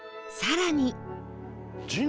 更に